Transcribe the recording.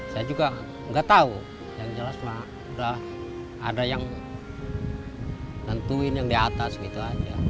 saya juga nggak tahu yang jelas mah udah ada yang nentuin yang di atas gitu aja